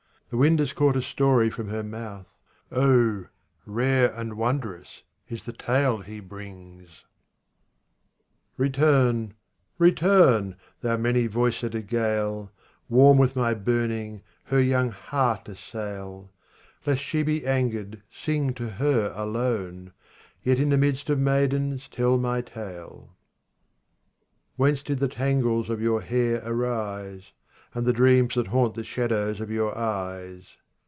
The wind has caught a story from her mouth, Oh rare and wondrous is the tale he brings ! 45 Return ! return ! thou many voiced gale ! Warm with my burning, her young heart assail ; Lest she be angered, sing to her alone ; Yet in the midst of maidens tell my tale. 46 Whence did the tangles ^of your hair arise ? And the dreams that haunt the shadows of your eyes